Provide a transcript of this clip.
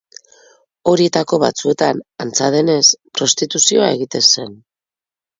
Horietako batzuetan, antza denez, prostituzioa egiten zen.